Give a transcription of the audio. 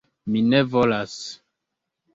Mi ne volas!